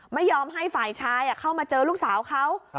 ไม่ยอมให้ฝ่ายชายเข้ามาเจอลูกสาวเขา